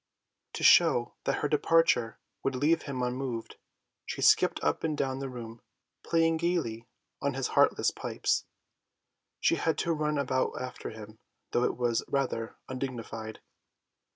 To show that her departure would leave him unmoved, he skipped up and down the room, playing gaily on his heartless pipes. She had to run about after him, though it was rather undignified.